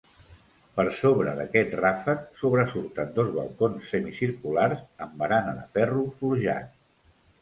Per sobre d'aquest ràfec sobresurten dos balcons semicirculars amb barana de ferro forjat.